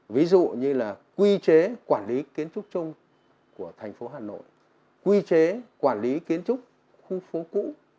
ví dụ như là quy chế quản lý kiến trúc chung của thành phố hà nội quy chế quản lý kiến trúc khu phố cũ